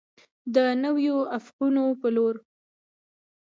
د نویو افقونو په لور.